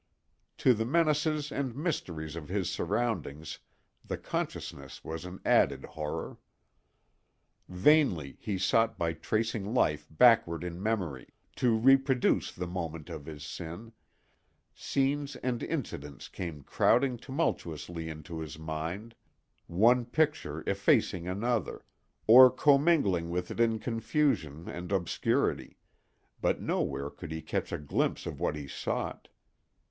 To the menaces and mysteries of his surroundings the consciousness was an added horror. Vainly he sought by tracing life backward in memory, to reproduce the moment of his sin; scenes and incidents came crowding tumultuously into his mind, one picture effacing another, or commingling with it in confusion and obscurity, but nowhere could he catch a glimpse of what he sought.